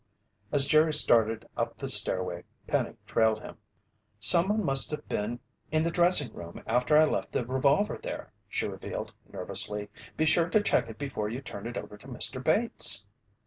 As Jerry started up the stairway, Penny trailed him. "Someone must have been in the dressing room after I left the revolver there," she revealed nervously. "Be sure to check it before you turn it over to Mr. Bates."